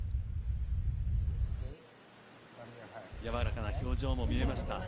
やわらかな表情も見えました。